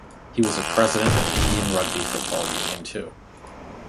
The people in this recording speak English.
He was the president of Indian Rugby Football Union too.